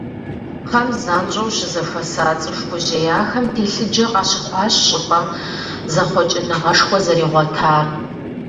Кхъэм занщӏэу щызэхуэса цӏыху гужьеяхэм телъыджэ къащыхъуащ щӏыпӏэм зэхъуэкӏыныгъэшхуэ зэригъуэтар.